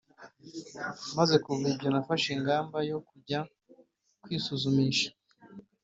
Maze kumva ibyo, nafashe ingamba yo kujya kwisuzumisha